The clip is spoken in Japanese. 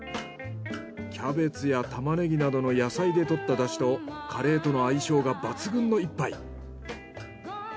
キャベツやタマネギなどの野菜でとった出汁とカレーとの相性が抜群の１杯。